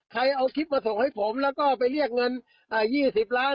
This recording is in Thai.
ใครเอาคลิปมาส่งให้ผมแล้วก็ไปเรียกเงิน๒๐ล้าน